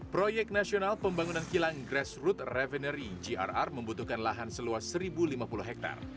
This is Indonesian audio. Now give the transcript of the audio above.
proyek nasional pembangunan kilang grassroot revenery grr membutuhkan lahan seluas satu lima puluh hektare